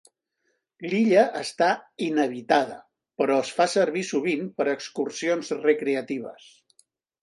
L'illa està inhabitada, però es fa servir sovint per excursions recreatives.